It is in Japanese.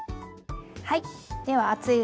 はい。